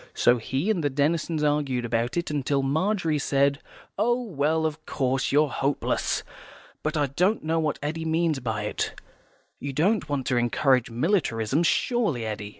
So he and the Denisons argued about it, till Margery said, "Oh, well, of course, you're hopeless. But I don't know what Eddy means by it. You don't want to encourage militarism, surely, Eddy."